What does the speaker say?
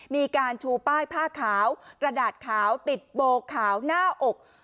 มีการชูป้ายผ้าขาวกระดาษขาวติดโบขาวหน้าอก